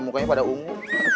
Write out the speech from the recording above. mukanya pada ungu